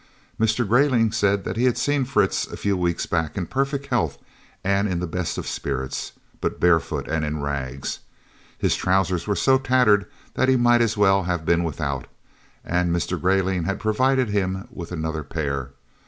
Mr. Greyling said that he had seen Fritz a few weeks back in perfect health and in the best of spirits, but barefoot and in rags. His trousers were so tattered that he might as well have been without, and Mr. Greyling had provided him with another pair.